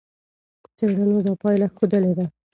څېړنو دا پایله ښودلې ده.